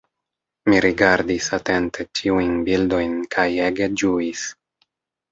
Mi rigardis atente ĉiujn bildojn kaj ege ĝuis.